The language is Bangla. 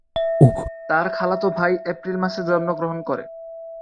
তার খালাতো ভাই এপ্রিল মাসে জন্মগ্রহণ করে।